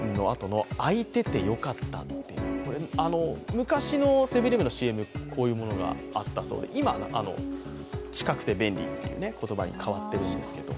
昔のセブン−イレブンのＣＭこういうのがあったそうで今、近くて便利という言葉に変わってるんですけど。